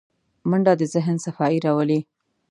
منډه د ذهن صفايي راولي